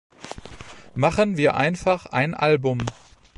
Machen wir einfach ein Album.